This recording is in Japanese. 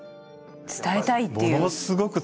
伝えたいっていう。